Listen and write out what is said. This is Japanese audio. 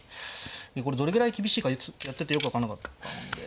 これどれぐらい厳しいかやっててよく分かんなかったんで。